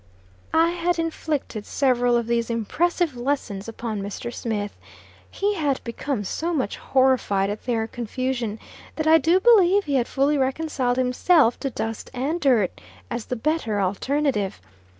I had inflicted several of these impressive lessons upon Mr. Smith. He had become so much horrified at their confusion, that I do believe he had fully reconciled himself to dust and dirt, as the better alternative.